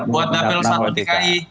buat dapil satu i